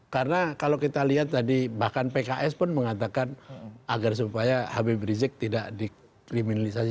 karena kalau kita lihat tadi bahkan pks pun mengatakan agar supaya habib rizieq tidak dikriminalisasi